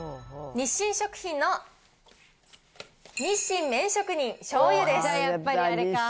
日清食品の日清麺職人醤油です。